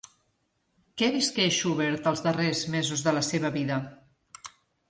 Què visqué Schubert els darrers mesos de la seva vida?